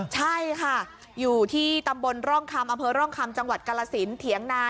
ใช่ค่ะอยู่ที่ตำบลร่องคำอำเภอร่องคำจังหวัดกาลสินเถียงนา